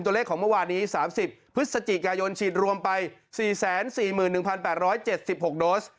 ตัวเลขของเมื่อวานนี้๓๐พฤศจิกายนฉีดรวมไป๔๔๑๘๗๖โดส